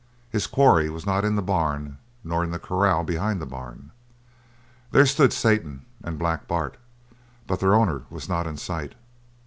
His quarry was not in the barn nor in the corral behind the barn. There stood Satan and Black Bart, but their owner was not in sight.